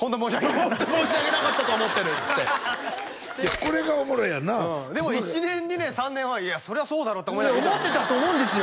ホント申し訳なかったと思ってるっつってこれがおもろいやんなうんでも１年２年３年はいやそりゃそうだろって思いながら見てますよね思ってたと思うんですよ